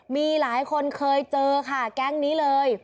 มีหลายคนเคยเจอค่ะแก๊งนี้เลย